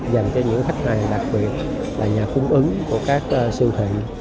dành cho những khách hàng đặc biệt là nhà cung ứng của các siêu thị